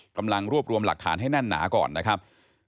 กำลังรวบรวมหลักฐานให้แน่นหนาก่อนนะครับ